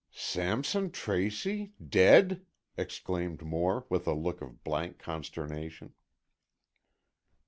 "Sampson Tracy! Dead?" exclaimed Moore, with a look of blank consternation.